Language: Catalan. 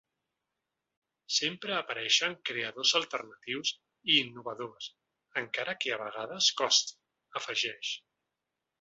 Sempre apareixen creadors alternatius i innovadors, encara que a vegades costi, afegeix.